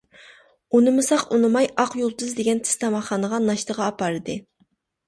ئۇنىمىساق ئۇنىماي، «ئاق يۇلتۇز» دېگەن تېز تاماقخانىغا ناشتىغا ئاپاردى.